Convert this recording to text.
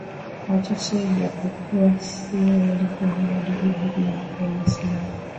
Wachache japokuwa sio wengi wamebadili dini na kuwa waiislamu